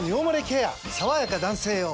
さわやか男性用」